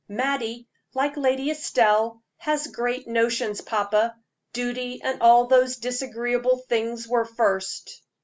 "Mattie, like Lady Estelle, has great notions, papa duty and all those disagreeable things were first."